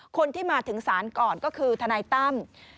คนที่มาถึงศาลก่อนก็คือทนายตั้ม